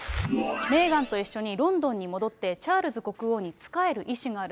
メーガンと一緒にロンドンに戻って、チャールズ国王に仕える意思がある。